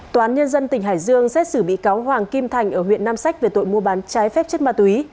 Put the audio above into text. tòa án nhân dân tỉnh hải dương xét xử bị cáo hoàng kim thành ở huyện nam sách về tội mua bán trái phép chất ma túy